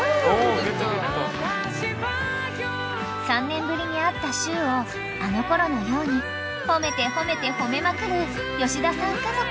［３年ぶりに会ったしゅうをあのころのように褒めて褒めて褒めまくる吉田さん家族］